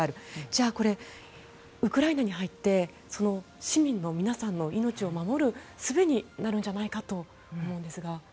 じゃあこれ、ウクライナに入って市民の皆さんの命を守るすべになるんじゃないかと思うんですが。